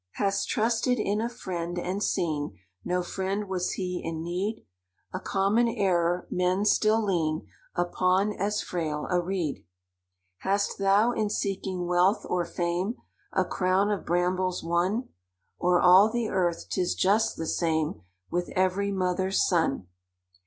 "Hast trusted in a friend, and seen No friend was he in need? A common error—men still lean Upon as frail a reed. "Hast thou, in seeking wealth or fame, A crown of brambles won? O'er all the earth 'tis just the same With every mother's son!